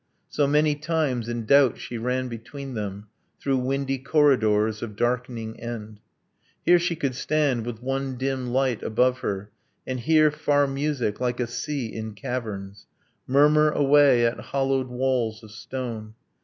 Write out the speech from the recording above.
So many times, in doubt, she ran between them! Through windy corridors of darkening end. Here she could stand with one dim light above her And hear far music, like a sea in caverns, Murmur away at hollowed walls of stone.